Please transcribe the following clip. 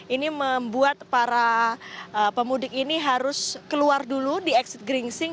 ini membuat para pemudik ini harus keluar dulu di exit geringsing